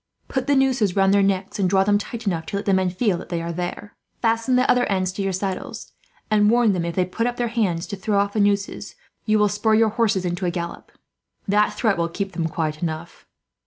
Put the nooses round their necks, and draw them tight enough to let the men feel that they are there. Fasten the other ends to your saddles, and warn them, if they put up their hands to throw off the nooses, you will spur your horses into a gallop. That threat will keep them quiet enough."